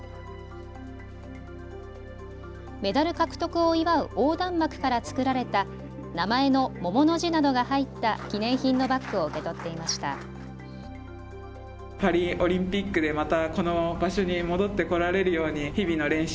メダル獲得を祝う横断幕から作られた名前の桃の字などが入った記念品のバッグを受け取っていました。